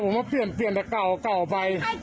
เวลาผมว่าเปลี่ยนเปลี่ยนแต่เก่าไป